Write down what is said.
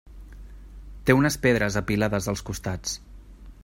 Té unes pedres apilades als costats.